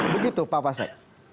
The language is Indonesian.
begitu pak pasek